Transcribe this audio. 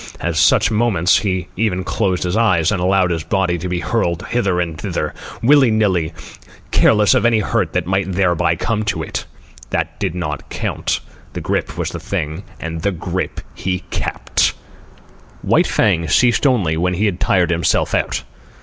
At such moments he even closed his eyes and allowed his body to be hurled hither and thither, willy nilly, careless of any hurt that might thereby come to it. That did not count. The grip was the thing, and the grip he kept. White Fang ceased only when he had tired himself out.